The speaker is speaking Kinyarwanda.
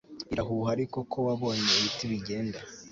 Irahuha ariko ko wabonye ibiti bigenda